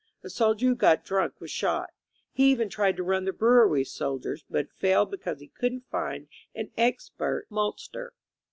A soldier who got drunk was shot. He even tried to run the brewery with soldiers, but failed be cause he couldn't find an expert maltster.